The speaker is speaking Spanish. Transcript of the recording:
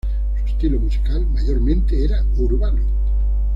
Su estilo musical mayormente era urbano.